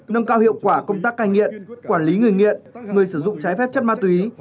nâng cao hiệu quả công tác cai nghiện quản lý người nghiện người sử dụng trái phép chất ma túy